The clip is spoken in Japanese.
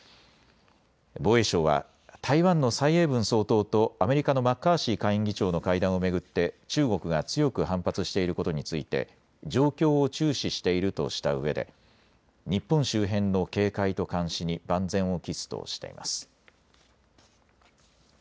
防衛省は台湾の蔡英文総統とアメリカのマッカーシー下院議長の会談を巡って中国が強く反発していることについて状況を注視しているとしたうえで日本周辺の警戒と監視に万全を期すとしています。